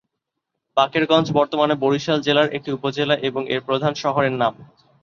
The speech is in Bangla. বাকেরগঞ্জ বর্তমানে বরিশাল জেলার একটি উপজেলা এবং এর প্রধান শহরের নাম।